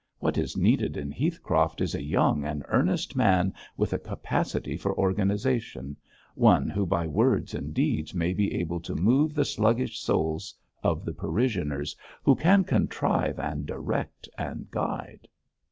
What is needed in Heathcroft is a young and earnest man with a capacity for organisation, one who by words and deeds may be able to move the sluggish souls of the parishioners, who can contrive and direct and guide.'